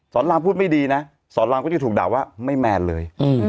รามพูดไม่ดีนะสอนรามก็จะถูกด่าว่าไม่แมนเลย